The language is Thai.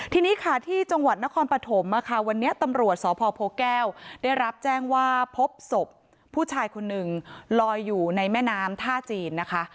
ทีนี้ค่ะที่จังหวัดนครปฐมวันนี้ตำรวจสพโพแก้วได้รับแจ้งว่าพบศพผู้ชายคนหนึ่งลอยอยู่ในแม่น้ำท่าจีนนะคะ